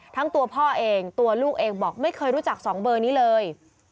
ทั้งตัวพ่อเองตัวลูกเองบอกไม่เคยรู้จัก๒เบอร์นี้เลย